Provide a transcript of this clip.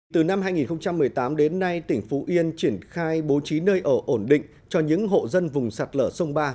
từ năm hai nghìn một mươi tám đến nay tỉnh phú yên triển khai bố trí nơi ở ổn định cho những hộ dân vùng sạt lở sông ba